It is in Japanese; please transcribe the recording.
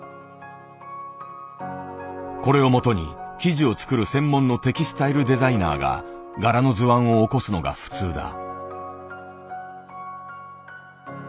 これをもとに生地を作る専門のテキスタイルデザイナーが柄の図案を起こすのが普通だ。